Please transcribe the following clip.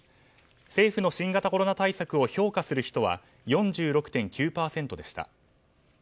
政府の新型コロナ対策を評価する人は４６．９％でした。